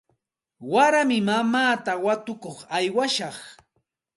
Waraymi mamaata watukuq aywashaq.